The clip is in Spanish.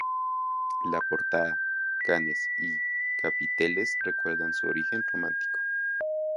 La portada, canes y capiteles recuerdan su origen románico.